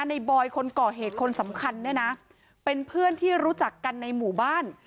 บอยคนก่อเหตุคนสำคัญเนี่ยนะเป็นเพื่อนที่รู้จักกันในหมู่บ้าน